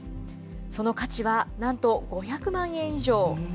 その価値はなんと５００万円以上。